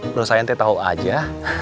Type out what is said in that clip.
bro saya teh tau aja